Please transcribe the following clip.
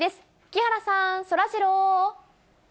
木原さん、そらジロー。